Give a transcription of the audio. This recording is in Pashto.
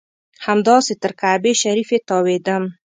همداسې تر کعبې شریفې تاوېدم.